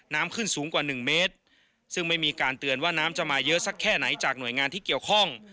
น้ำขึ้นสูงกว่าหนึ่งเมตรซึ่งไม่มีการเตือนว่าน้ำจะมาเยอะสักแค่ไหนจากหน่วยงานที่เกี่ยวข้อง